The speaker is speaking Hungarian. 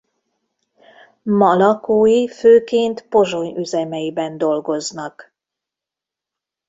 Ma lakói főként Pozsony üzemeiben dolgoznak.